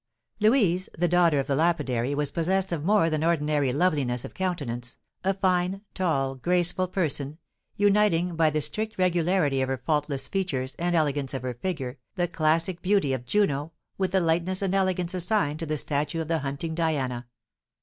Louise, the daughter of the lapidary, was possessed of more than ordinary loveliness of countenance, a fine, tall, graceful person, uniting, by the strict regularity of her faultless features and elegance of her figure, the classic beauty of Juno with the lightness and elegance assigned to the statue of the hunting Diana.